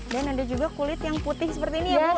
dan ada juga kulit yang putih seperti ini ya bu